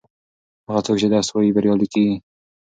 هغه څوک چې درس وايي بریالی کیږي.